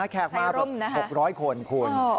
แขกมา๖๐๐คนคุณ